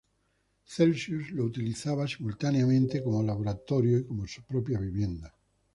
Celsius lo utilizaba simultáneamente como laboratorio y como su propia vivienda.